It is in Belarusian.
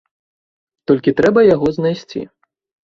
Толькі трэба яго знайсці.